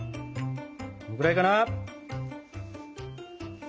これくらいかな？